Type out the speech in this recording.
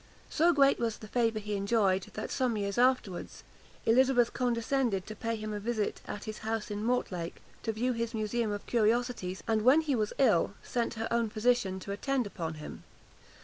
So great was the favour he enjoyed, that, some years afterwards, Elizabeth condescended to pay him a visit at his house in Mortlake, to view his museum of curiosities, and when he was ill, sent her own physician to attend upon him.